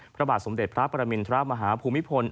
พระบาทสมเด็จพระปรมินทรมาฮาภูมิพล